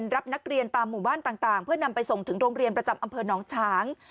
รับนักเรียนตามหมู่บ้านต่างเพื่อนำไปส่งถึงโรงเรียนประจำอำเภอหนองช้าง